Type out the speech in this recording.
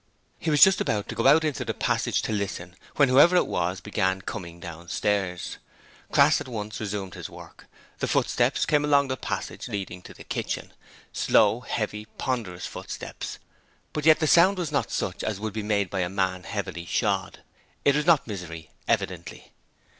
He was just about to go out into the passage to listen, when whoever it was began coming downstairs. Crass at once resumed his work. The footsteps came along the passage leading to the kitchen: slow, heavy, ponderous footsteps, but yet the sound was not such as would be made by a man heavily shod. It was not Misery, evidently.